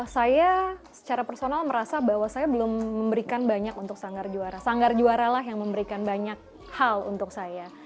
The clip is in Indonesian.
saya secara personal merasa bahwa saya belum memberikan banyak untuk sanggar juara sanggar juara lah yang memberikan banyak hal untuk saya